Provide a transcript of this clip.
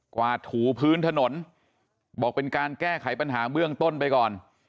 วาดถูพื้นถนนบอกเป็นการแก้ไขปัญหาเบื้องต้นไปก่อน